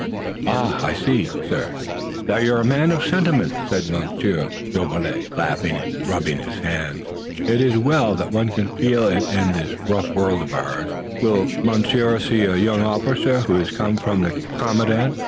"Ah, I see, sir, that you're a man of sentiment," said Monsieur Jolivet, laughing and rubbing his hands. "It is well that one can feel it in this rough world of ours. But will Monsieur see a young officer who has come from the commandant?